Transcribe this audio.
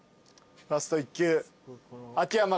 ラスト１球秋山が。